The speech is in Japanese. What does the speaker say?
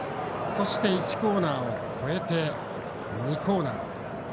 そして、１コーナーを越えて２コーナー。